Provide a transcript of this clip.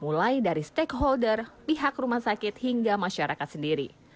mulai dari stakeholder pihak rumah sakit hingga masyarakat sendiri